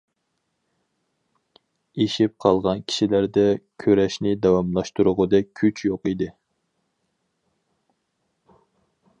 ئېشىپ قالغان كىشىلەردە كۈرەشنى داۋاملاشتۇرغۇدەك كۈچ يوق ئىدى.